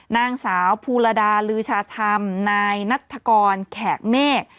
นางสาวภูลดาลือชาธรรมนายนัฐกรแขกเมฆ